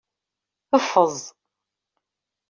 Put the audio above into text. Ffeẓ.